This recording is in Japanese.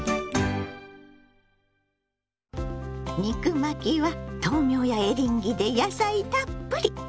肉巻きは豆苗やエリンギで野菜たっぷり！